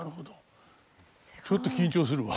ちょっと緊張するわ。